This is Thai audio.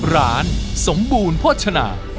ร้านสมบูรณ์โภชนา